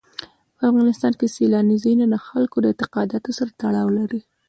په افغانستان کې سیلانی ځایونه د خلکو د اعتقاداتو سره تړاو لري.